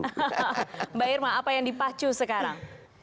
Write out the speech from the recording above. mbak irma apa yang dipacu sekarang